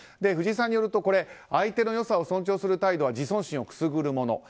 藤井さんによると相手の良さを尊重する態度は自尊心をくすぐるもの。